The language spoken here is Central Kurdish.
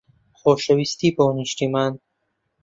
خۆشەویستی بۆ نیشتمان.